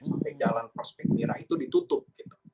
sampai jalan prospek nira itu ditutup gitu